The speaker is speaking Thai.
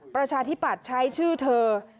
ประชาธิปัตย์ใช้ชื่อเธอ